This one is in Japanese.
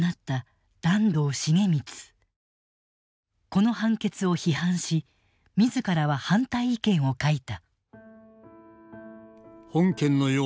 この判決を批判し自らは反対意見を書いた。